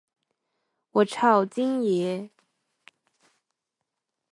我超，京爷